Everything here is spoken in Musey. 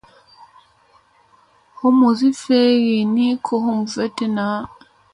Humusi feegii ni ko hum veɗta naa.